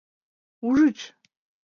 Ужыч?